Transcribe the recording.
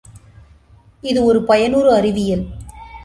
இது ஒரு பயனுறு அறிவியல்.